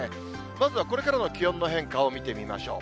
まずはこれからの気温の変化を見てみましょう。